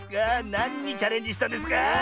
なんにチャレンジしたんですか？